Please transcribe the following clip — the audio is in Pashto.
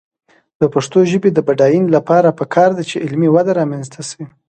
د پښتو ژبې د بډاینې لپاره پکار ده چې علمي وده رامنځته شي.